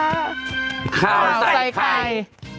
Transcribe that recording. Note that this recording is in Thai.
นี่ข้าวใส่ใคร